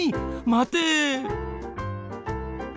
まて。